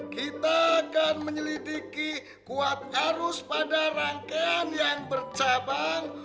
kita akan menyelidiki kuat harus pada rangkaian yang bercabang